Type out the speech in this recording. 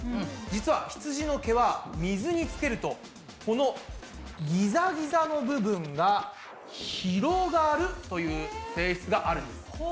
実はひつじの毛は水につけるとこのギザギザの部分が広がるという性質があるんです。